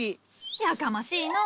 やかましいのう。